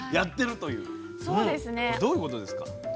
どういうことですか？